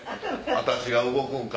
「私が動くんか？」